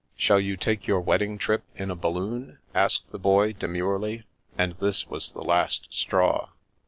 " Shall you take your wedding trip in a balloon ?" asked the Boy demurely ; and this was the last straw.